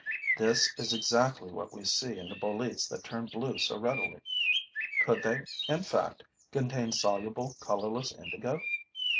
This is exactly what we see in the boletes that turn blue so readily. Could they, in fact, contain soluble, colorless indigo?